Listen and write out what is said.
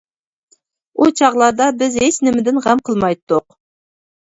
ئۇ چاغلاردا بىز ھېچنېمىدىن غەم قىلمايتتۇق.